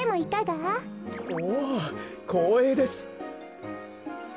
おおこうえいです。